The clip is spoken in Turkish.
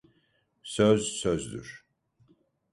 Söz sözdür.